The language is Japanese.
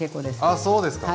あそうですか。